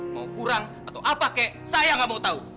mau kurang atau apa kek saya nggak mau tahu